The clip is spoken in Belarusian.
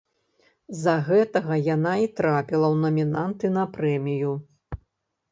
З-за гэтага яна і трапіла ў намінанты на прэмію.